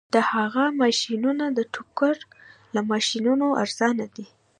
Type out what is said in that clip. د هغه ماشینونه د ټوکر له ماشینونو ارزانه دي